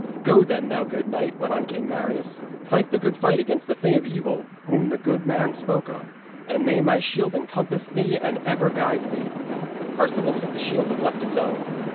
Go then, thou good knight,' went on King Marius, 'fight the good fight against that thing of evil whom the good man spoke of, and may my shield encompass thee and ever guard thee.' Perceval took the shield and left his own.